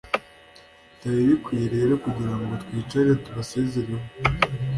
byari bikwiye rero kugirango twicare tubasezereho